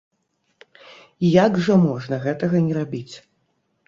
Як жа можна гэтага не рабіць!